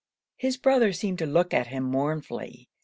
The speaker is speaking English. His brother seemed to look at him mournfully.